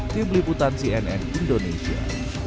di beliputan cnn indonesia